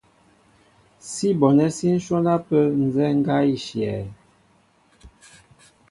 Sí bonɛ́ sí ǹhwɔ́n ápə́ nzɛ́ɛ́ ŋgá í shyɛ̄.